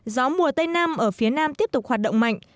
gió mùa tây nam ở phía nam tiếp tục hoạt động mạnh